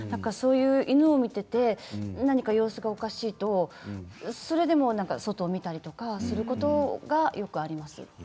犬を見ていて何か様子がおかしいとそれで外を見たりとかすることがよくあります。